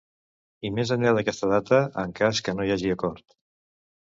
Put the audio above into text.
I més enllà d’aquesta data en cas que no hi hagi acord.